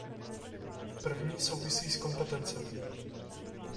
První souvisí s kompetencemi.